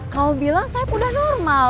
kalo bilang sahib udah normal